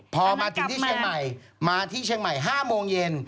พอมาถึงที่เชียงใหม่มาที่เชียงใหม่๕โมงเย็น